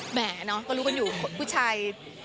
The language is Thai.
แหมเนอะก็รู้กันอยู่ผู้ชาย